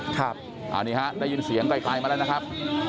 ครับอันนี้ฮะได้ยินเสียงไกลมาแล้วนะครับ